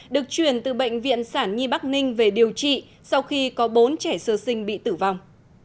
được chuyển từ bệnh viện sản nhi bắc ninh về điều trị sau khi có bốn trẻ sơ sinh bị tử vong